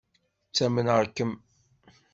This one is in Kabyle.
Ttamneɣ-kem.